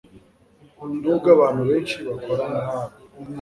nubwo abantu benshi bakora nkabo